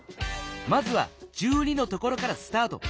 まずは１２のところからスタート。